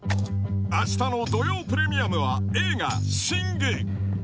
明日の土曜プレミアムは映画「ＳＩＮＧ／シング」。